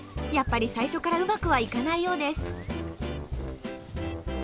やっぱり最初からうまくはいかないようです。